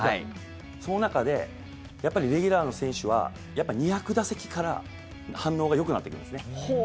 その中でやっぱりレギュラーの選手は２００打席から反応がよくなってくるんですね。